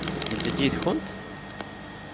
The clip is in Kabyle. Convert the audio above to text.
Yedda-d yid-kent?